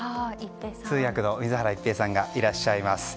通訳の水原一平さんがいらっしゃいます。